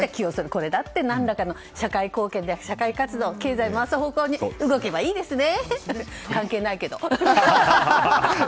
これだって何らかの社会貢献、経済を回す方向に動けばいいですね！